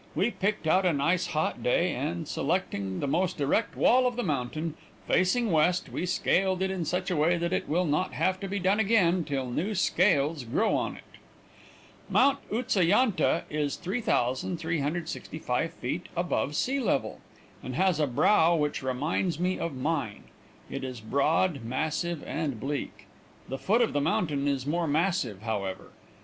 We picked out a nice hot day, and, selecting the most erect wall of the mountain, facing west, we scaled it in such a way that it will not have to be done again till new scales grow on it. Mount Utsa yantha is 3,365 feet above sea level, and has a brow which reminds me of mine. It is broad, massive and bleak. The foot of the mountain is more massive, however.